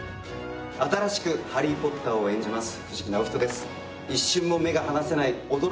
新しくハリー・ポッターを演じます藤木直人です